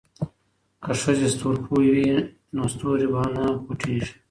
که ښځې ستورپوهې وي نو ستوري به نه پټیږي.